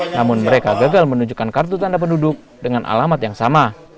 namun mereka gagal menunjukkan kartu tanda penduduk dengan alamat yang sama